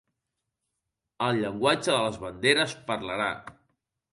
El llenguatge de les banderes parlarà.